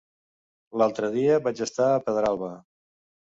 L'altre dia vaig estar a Pedralba.